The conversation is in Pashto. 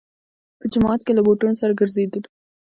په جومات کې له بوټونو سره ګرځېدلو.